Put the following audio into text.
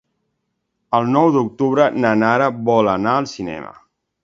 El nou d'octubre na Nara vol anar al cinema.